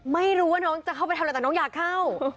ไม่รู้ว่าน้องจะเข้าไปทำอะไรแต่น้องอยากเข้า